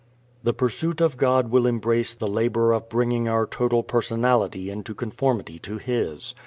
The pursuit of God will embrace the labor of bringing our total personality into conformity to His.